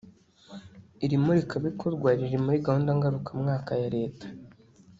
Iri murikabikorwa riri muri gahunda ngarukamwaka ya Leta